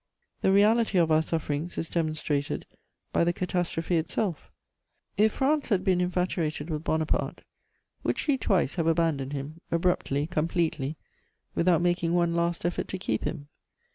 The reality of our sufferings is demonstrated by the catastrophe itself: if France had been infatuated with Bonaparte, would she twice have abandoned him, abruptly, completely, without making one last effort to keep him?